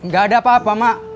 gak ada apa apa mak